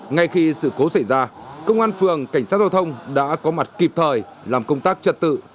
ngay khi sự cố xảy ra công an phường cảnh sát giao thông đã có mặt kịp thời làm công tác trật tự